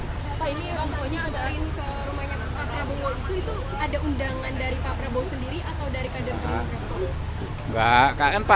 pak ini masalahnya agar ke rumahnya pak prabowo itu ada undangan dari pak prabowo sendiri atau dari kader gerindra